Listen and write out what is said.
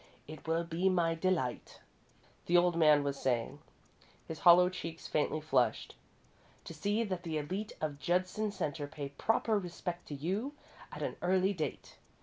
"It will be my delight," the old man was saying, his hollow cheeks faintly flushed, "to see that the elite of Judson Centre pay proper respect to you at an early date.